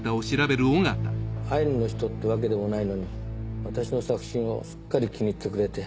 アイヌの人ってわけでもないのに私の作品をすっかり気に入ってくれて。